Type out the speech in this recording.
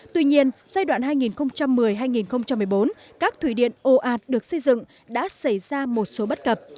tuy nhiên giai đoạn hai nghìn một mươi hai nghìn một mươi bốn các thủy điện ồ ạt được xây dựng đã xảy ra một số bất cập